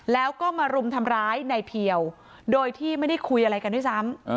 แล้วก็มารุมทำร้ายในเพียวโดยที่ไม่ได้คุยอะไรกันด้วยซ้ำ